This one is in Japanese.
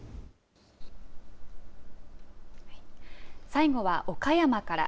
最後は岡山から。